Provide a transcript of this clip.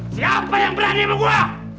siapa yang berani sama gue